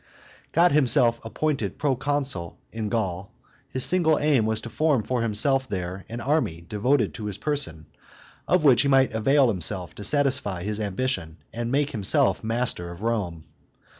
got himself appointed proconsul in Gaul, his single aim was to form for himself there an army devoted to his person, of which he might avail himself to satisfy his ambition and make himself master of Rome.